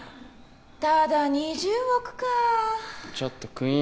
ただ２０億かちょっとクイーン